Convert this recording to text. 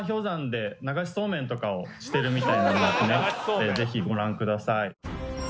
例年はぜひご覧ください。